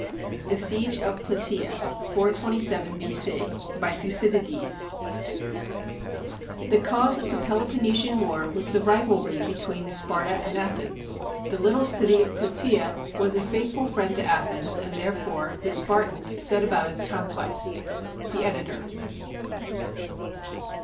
THE SIEGE OF PLAT^A [427 B.C.] BY THTJCYDroES [The cause of the Peloponnesian War was the rivalry between Sparta and Athens. The little city of Plataea was a faithful friend to Athens, and therefore the Spartans set about its conquest.] The Editor.